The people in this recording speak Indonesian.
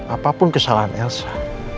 apapun kesalahan elsa